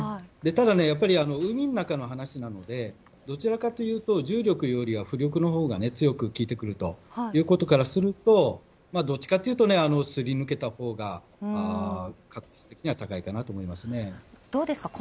ただ、海の中の話なのでどちらかというと重力よりは浮力のほうが強く効いてくるということからするとどっちかっていうとすり抜けたほうが確率的には高いかと思いますね。